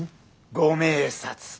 ご明察。